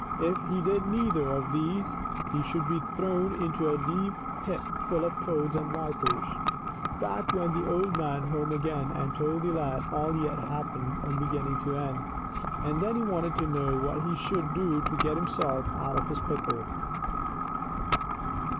If he did neither of these he should be thrown into a deep pit full of toads and vipers. Back went the old man home again and told the lad all that had happened from beginning to end. And then he wanted to know what he should do to get himself out of his pickle. 3i6 THE BEST THAT LIFE HAS TO GIVE.